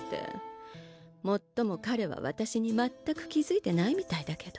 もっともかれは私にまったく気づいてないみたいだけど。